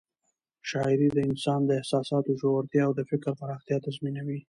شاعري د انسان د احساساتو ژورتیا او د فکر پراختیا تضمینوي.